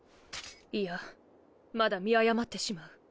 いやまだ見誤ってしまう。